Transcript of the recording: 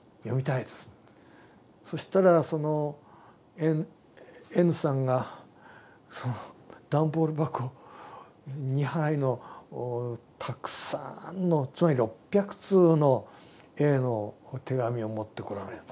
そしたらそのＮさんがその段ボール箱２杯のたくさんのつまり６００通のＡの手紙を持ってこられた。